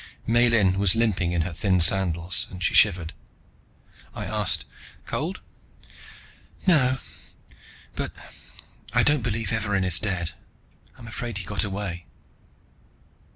Miellyn was limping in her thin sandals, and she shivered. I asked, "Cold?" "No, but I don't believe Evarin is dead, I'm afraid he got away."